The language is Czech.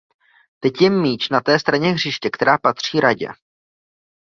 Teď je míč na té straně hřiště, která patří Radě.